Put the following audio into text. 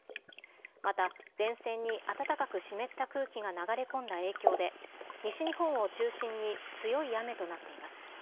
また、前線に暖かく湿った空気が流れ込んだ影響で、西日本を中心に強い雨となっています。